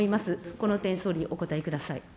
この点、総理、お答えください。